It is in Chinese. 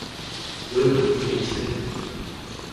游泳一天一千米